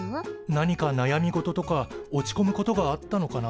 なにかなやみ事とか落ちこむことがあったのかなあ？